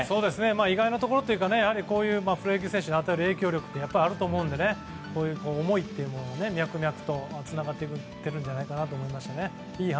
意外なところというかプロ野球選手が与える影響力ってあると思うのでこういう思いというのは脈々とつながっていっているんじゃないかと思いましたね。